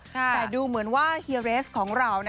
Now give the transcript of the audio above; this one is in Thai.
แต่ดูเหมือนว่าเฮียเรสของเรา